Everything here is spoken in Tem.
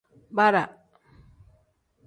Bara.